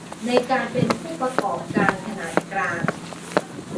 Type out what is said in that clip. ในการเป็นผู้ประกอบการขนาดกลาง